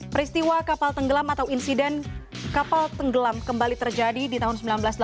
peristiwa kapal tenggelam atau insiden kapal tenggelam kembali terjadi di tahun seribu sembilan ratus delapan puluh